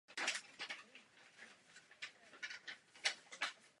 George Washington se za něj nicméně postavil.